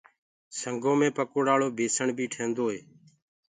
سنگو مي پڪوڙآݪو بيسڻ بي ٺيندوئي